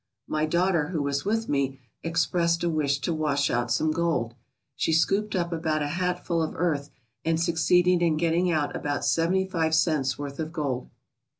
My daughter, who was with me, expressed a wish to wash out some gold. She scooped up about a hatful of earth and succeeded in getting out about seventy five cents' worth of gold.